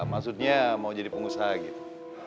maksudnya mau jadi pengusaha gitu